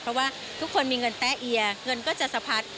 เพราะว่าทุกคนมีเงินแต๊เอียเงินก็จะสะพัด